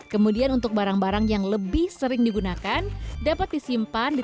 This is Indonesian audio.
kemudian untuk barang barang yang lebih sering digunakan dapat disimpan